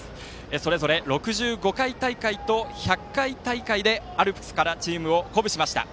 それぞれ６５回大会と１００回大会でアルプスからチームを鼓舞しました。